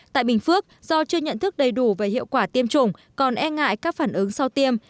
tại bình phước do chưa nhận thức đầy đủ về hiệu quả tiêm chủng còn e ngại các phản ứng sau tiêm